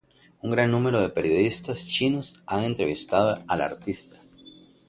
Un gran número de periodistas chinos han entrevistado al artista.